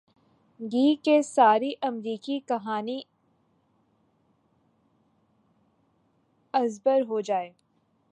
گی کہ ساری امریکی کہانی از بر ہو جائے۔